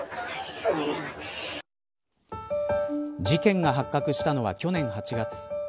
事件が発覚したのは去年８月。